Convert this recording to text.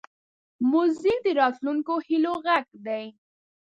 موزیک د راتلونکو هیلو غږ دی.